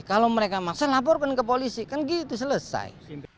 kalau mereka maksa laporkan ke polisi kan gitu selesai